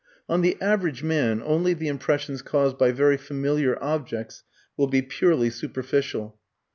On the average man only the impressions caused by very familiar objects, will be purely superficial.